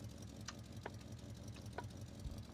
他们使用了重叠的窗口。